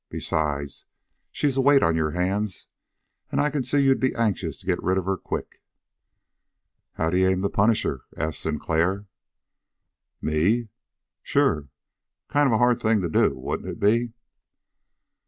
Besides, she's a weight on your hands, and I can see you'd be anxious to get rid of her quick." "How d'you aim to punish her?" asked Sinclair. "Me?" "Sure! Kind of a hard thing to do, wouldn't it be?"